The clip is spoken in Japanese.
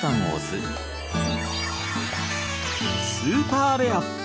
スーパーレア！